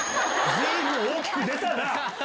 ずいぶん大きく出たな。